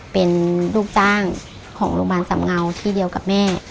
เป็นลูกจ้างของโรงพยาบาลสำเงาที่เดียวกับแม่